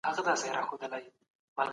دا هغه مذهب دی چي په اروپا کي و.